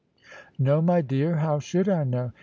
"No, my dear; how should I know?"